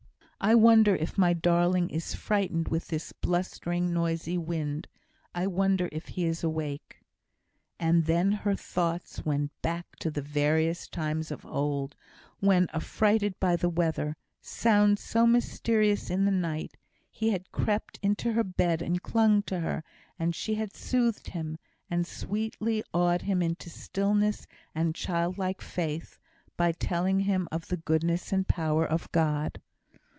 "I wonder if my darling is frightened with this blustering, noisy wind. I wonder if he is awake." And then her thoughts went back to the various times of old, when, affrighted by the weather sounds so mysterious in the night he had crept into her bed and clung to her, and she had soothed him, and sweetly awed him into stillness and childlike faith, by telling him of the goodness and power of God.